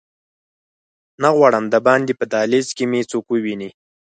نه غواړم دباندې په دهلېز کې مې څوک وویني.